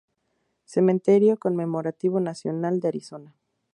Cementerio conmemorativo nacional de Arizona